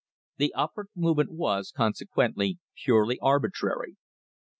The upward movement was, consequently, purely arbitrary.